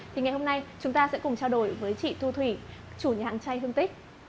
thì ngày hôm nay chúng ta sẽ cùng trao đổi với chị thu thủy chủ nhà chay hương tích